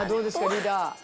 リーダー。